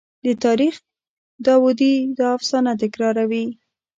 د تاریخ داودي دا افسانه تکراروي.